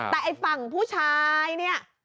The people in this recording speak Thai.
แต่ไอ้ฝั่งผู้ชายเนี่ย